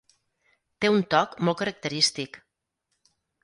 Té un toc molt característic.